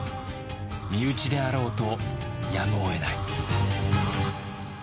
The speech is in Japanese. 身内であろうとやむをえない。